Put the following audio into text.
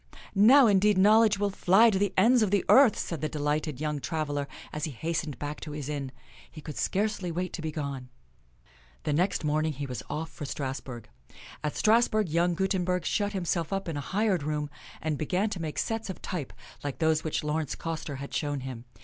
" Now, indeed, knowledge will fly to the ends of the earth," said the delighted young traveler as he hastened back to his inn. He could scarcely wait to be gone. THE FIRST PRINTER 45 The next morning he was off for Strasburg. At Strasburg young Gutenberg shut himself up in a hired room and began to make sets of type like those which Laurence Coster had shown him.